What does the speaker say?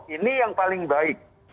ini yang paling baik